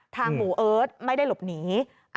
หมู่เอิร์ทไม่ได้หลบหนี